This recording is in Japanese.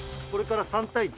これから。